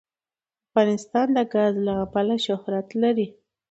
افغانستان د ګاز له امله شهرت لري.